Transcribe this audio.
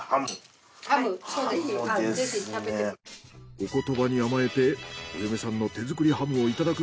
お言葉に甘えてお嫁さんの手作りハムをいただく。